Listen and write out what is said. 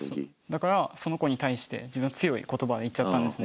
だからその子に対して自分は強い言葉で言っちゃったんですね。